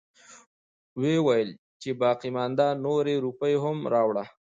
وويلې چې باقيمانده نورې روپۍ هم راوړه.